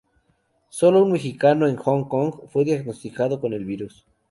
Sólo un mexicano, en Hong Kong, fue diagnosticado con el virus.